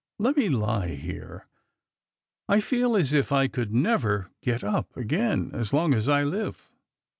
Let me lie here ; I feel as if I could never get ip again as long as I live."